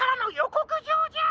こくじょうじゃ！